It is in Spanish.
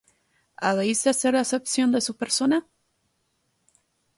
¿Habéis de hacer acepción de su persona?